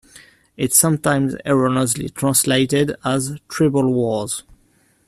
It is sometimes erroneously translated as "Tribal Wars".